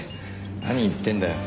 何言ってんだよ。